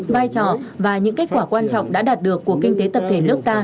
vai trò và những kết quả quan trọng đã đạt được của kinh tế tập thể nước ta